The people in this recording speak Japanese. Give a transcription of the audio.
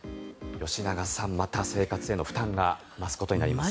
吉永さん、また生活への負担が増すことになりますね。